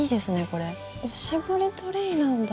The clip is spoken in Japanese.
これおしぼりトレーなんだ。